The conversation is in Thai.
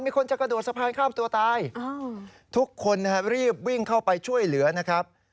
คนจะกระโดดสะพานข้ามตัวตายทุกคนรีบวิ่งเข้าไปช่วยเหลือนะครับ